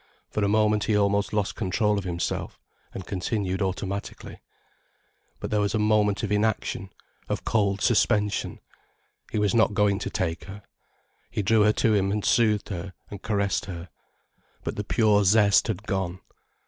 For a moment he almost lost control of himself, and continued automatically. But there was a moment of inaction, of cold suspension. He was not going to take her. He drew her to him and soothed her, and caressed her. But the pure zest had gone.